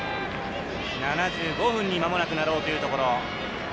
７５分にまもなくなろうというところ。